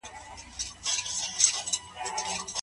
د نفس غوښتنو ته لاره نه ورکول کېږي.